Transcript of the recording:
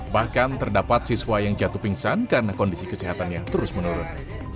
bahkan terdapat siswa yang jatuh pingsan karena kondisi kesehatannya terus menurun